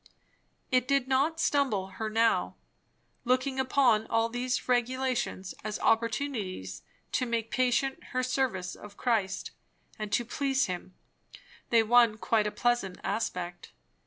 It did not stumble her now. Looking upon all these regulations as opportunities to make patent her service of Christ and to please him, they won quite a pleasant aspect.